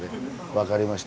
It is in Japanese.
分かりました。